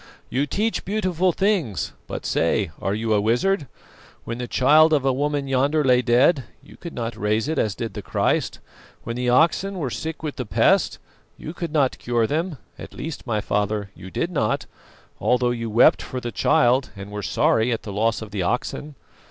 You teach beautiful things, but say, are you a wizard? When the child of a woman yonder lay dead, you could not raise it as did the Christ; when the oxen were sick with the pest, you could not cure them; or at least, my father, you did not, although you wept for the child and were sorry at the loss of the oxen.